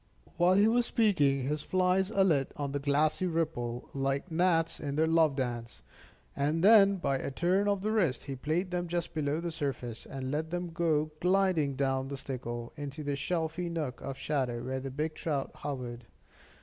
While he was speaking, his flies alit on the glassy ripple, like gnats in their love dance; and then by a turn of the wrist, he played them just below the surface, and let them go gliding down the stickle, into the shelfy nook of shadow where the big trout hovered.